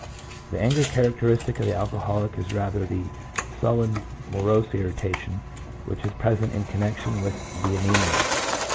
The anger char acteristic of the alcoholic is rather the sullen, morose irritation, which is present in connection with the. anemia.